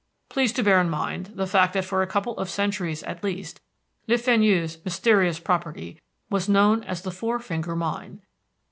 Please to bear in mind the fact that for a couple of centuries at least Le Fenu's mysterious property was known as the Four Finger Mine.